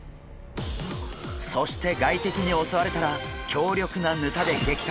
そして外敵に襲われたら強力なヌタで撃退。